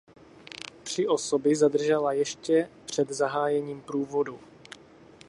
Tři osoby zadržela ještě před zahájením průvodu.